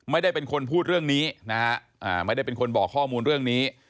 ไม่ได้เป็นคนพูดเรื่องนี้นะฮะไม่ได้เป็นคนบอกข้อมูลเรื่องนี้